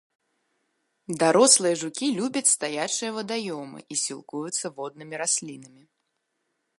Дарослыя жукі любяць стаячыя вадаёмы і сілкуюцца воднымі раслінамі.